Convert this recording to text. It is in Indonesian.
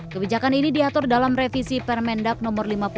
kebijakan ini diatur dalam revisi permendak no lima puluh